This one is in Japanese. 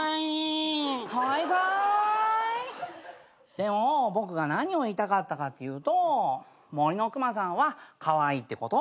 でも僕が何を言いたかったかっていうと森の熊さんはカワイイってこと。